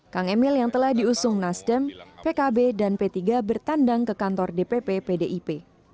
kang emil yang telah diusung nasdem pkb dan p tiga bertandang ke kantor dpp pdip